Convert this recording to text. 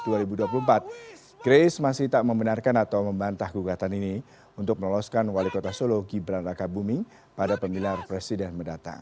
grace masih tak membenarkan atau membantah gugatan ini untuk meloloskan wali kota solo gibran raka bumi pada pemilihan presiden mendatang